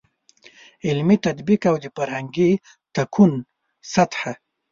عملي تطبیق او د فرهنګي تکون سطحه.